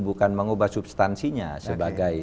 bukan mengubah substansinya sebagai